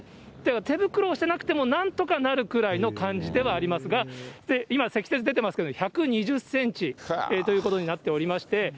手袋をしてなくてもなんとかなるくらいの感じではありますが、今、積雪出てますけど、１２０センチということになっておりまして。